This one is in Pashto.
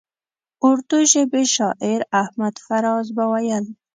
اردو ژبي شاعر احمد فراز به ویل.